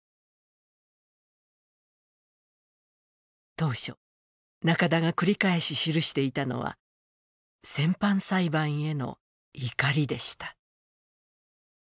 当初、中田が繰り返し記していたのは戦犯裁判への怒りでした。